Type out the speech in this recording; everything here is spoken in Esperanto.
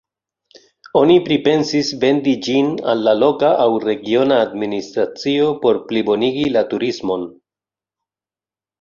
Oni pripensis vendi ĝin al la loka aŭ regiona administracio por plibonigi la turismon.